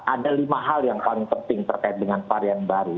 ada lima hal yang paling penting terkait dengan varian baru